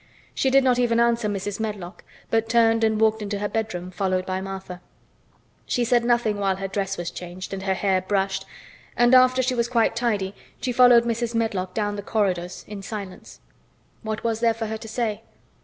She did not even answer Mrs. Medlock, but turned and walked into her bedroom, followed by Martha. She said nothing while her dress was changed, and her hair brushed, and after she was quite tidy she followed Mrs. Medlock down the corridors, in silence. What was there for her to say?